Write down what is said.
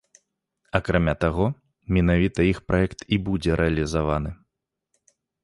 Акрамя таго, менавіта іх праект і будзе рэалізаваны.